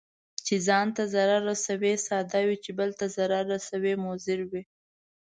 چي ځان ته ضرر رسوي، ساده وي، چې بل ته ضرر رسوي مضر وي.